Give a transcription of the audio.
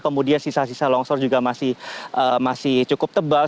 kemudian sisa sisa longsor juga masih cukup tebal